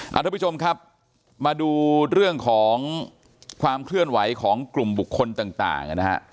ทุกผู้ชมครับมาดูเรื่องของความเคลื่อนไหวของกลุ่มบุคคลต่างนะฮะ